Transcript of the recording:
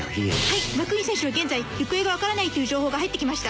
はいマックィーン選手は現在行方が分からないという情報が入ってきました。